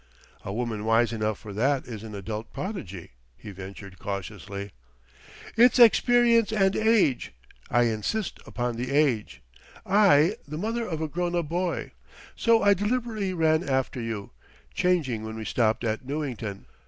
"A woman wise enough for that is an adult prodigy," he ventured cautiously. "It's experience and age. I insist upon the age; I the mother of a grown up boy! So I deliberately ran after you, changing when we stopped at Newington.